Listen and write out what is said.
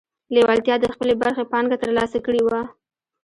لېوالتیا د خپلې برخې پانګه ترلاسه کړې وه